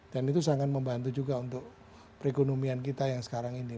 dan itu sangat membantu juga untuk perekonomian kita yang sekarang ini